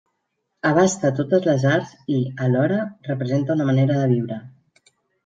Abasta totes les arts i, alhora, representa una manera de viure.